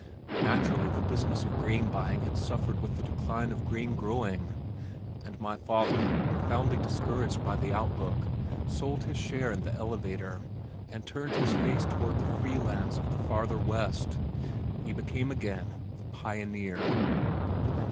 Naturally the business of grain buying had suffered with the decline of grain growing, and my father, profoundly discouraged by the outlook, sold his share in the elevator and turned his face toward the free lands of the farther west. He became again the pioneer.